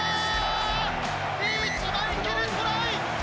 リーチマイケル、トライ！